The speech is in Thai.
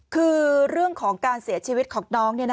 คือเรื่องของการเสียชีวิตของน้อง